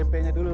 bp nya dulu